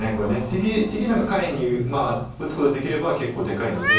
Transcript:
次何か下辺に打つことができれば結構でかいので。